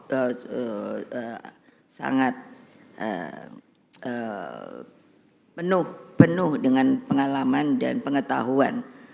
itu sangat penuh dengan pengalaman dan pengetahuan